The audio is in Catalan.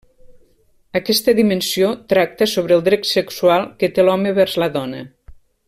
Aquesta dimensió tracta sobre el dret sexual que té l'home vers la dona.